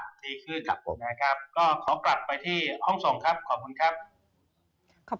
ขอปรับไปที่ห้องส่งครับขอบคุณครับ